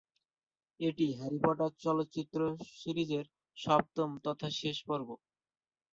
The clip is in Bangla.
এটি "হ্যারি পটার" চলচ্চিত্র সিরিজের সপ্তম তথা শেষ পর্ব।